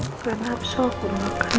jangan elsa aku mau makan